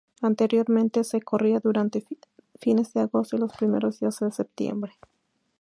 Anteriormente se corría durante fines de agosto y los primeros días de septiembre.